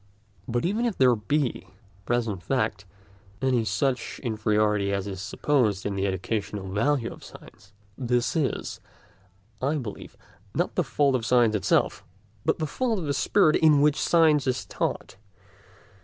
But even if there be, in present fact, any such inferiority as is supposed in the educational value of science, this is, I believe, not the fault of science itself, but the fault of the spirit in which science is taught.